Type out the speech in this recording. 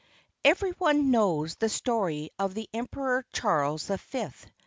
Every one knows the story of the Emperor Charles the Fifth.